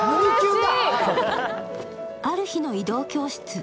ある日の移動教室。